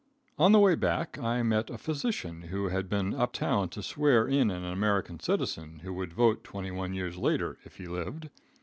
On the way back, I met a physician who had been up town to swear in an American citizen who would vote twenty one years later, if he lived.